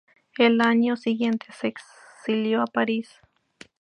Al año siguiente se exilió a París.